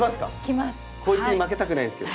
こいつに負けたくないんですけど。